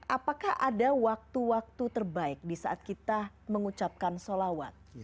apakah ada waktu waktu terbaik di saat kita mengucapkan sholawat